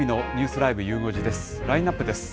ラインナップです。